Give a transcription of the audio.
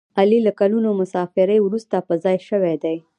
علي له کلونو مسافرۍ ورسته په ځای شوی دی.